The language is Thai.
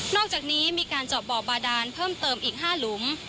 อกจากนี้มีการเจาะบ่อบาดานเพิ่มเติมอีก๕หลุม